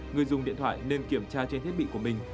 người dùng điện thoại nên kiểm tra trên thiết bị của mình